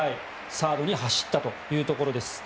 サードに走ったというところです。